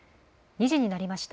２時になりました。